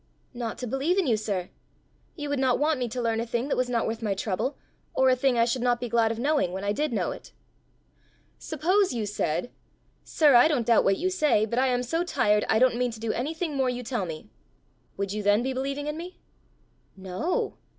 "Not to believe in you, sir. You would not want me to learn a thing that was not worth my trouble, or a thing I should not be glad of knowing when I did know it." "Suppose you said, 'Sir, I don't doubt what you say, but I am so tired, I don't mean to do anything more you tell me,' would you then be believing in me?" "No.